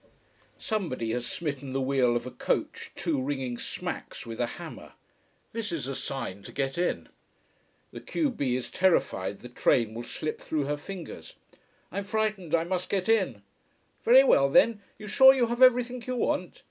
Somebody has smitten the wheel of a coach two ringing smacks with a hammer. This is a sign to get in. The q b is terrified the train will slip through her fingers. "I'm frightened, I must get in." "Very well then! You're sure you have everything you want?